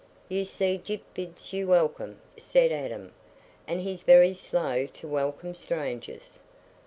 "You see Gyp bids you welcome," said Adam, "and he's very slow to welcome strangers."